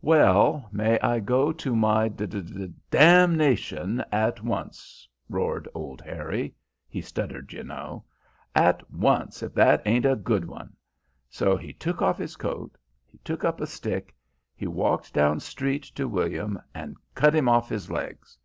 "'Well may I go to my d d d damnation at once!' roared old Harry he stuttered you know 'at once, if that ain't a good one!' So he took off his coat, he took up a stick, he walked down street to William and cut him off his legs.